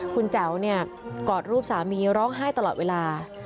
คุณแจ๋วกอดรูปสามีร้องไห้ตลอดเวลา